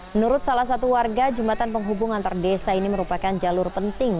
menurut salah satu warga jembatan penghubung antar desa ini merupakan jalur penting